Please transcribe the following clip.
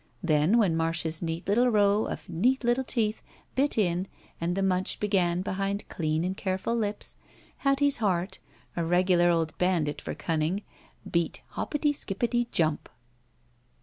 Then when Marda's neat little row of neat little teeth bit in and the mtmch began behind clean and careful lips, Hattie's heart, a regular old bandit for cimning, beat hoppity, skippity, jump!